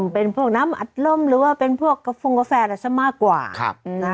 เป็นพวกน้ำอัตรมหรือเป็นกระแฟและทำกว่า